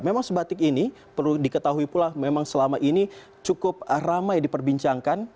memang sebatik ini perlu diketahui pula memang selama ini cukup ramai diperbincangkan